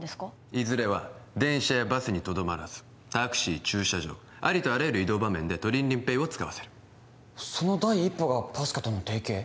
いずれは電車やバスにとどまらずタクシー駐車場ありとあらゆる移動場面でトリンリンＰａｙを使わせるその第一歩がＰＡＳＣＡとの提携？